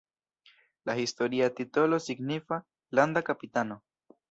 La historia titolo signifas "landa kapitano".